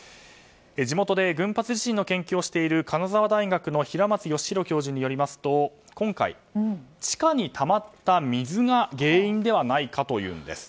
地元で群発地震の研究をしている金沢大学の平松教授によりますと今回、地下にたまった水が原因ではないかというのです。